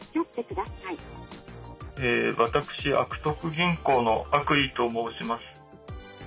私悪徳銀行の悪意と申します。